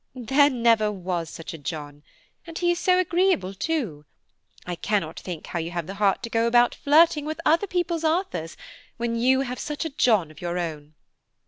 "There never was such a John! and he is so agreeable too. I cannot think how you have the heart to go about flirting with other people's Arthurs when you have such a John of your own.